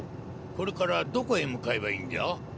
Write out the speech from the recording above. これからどこへ向かえばいいんじゃ？